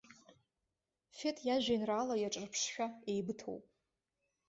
Фет иажәеинраала иаҿырԥшшәа еибыҭоуп.